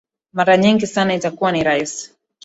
mara nyingi sana itakuwa ni rahisi